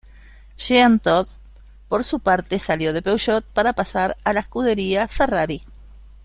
Jean Todt, por su parte, salió de Peugeot para pasar a la Scuderia Ferrari.